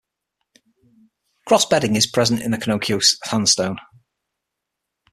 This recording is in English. Crossbedding is present in the Coconino Sandstone.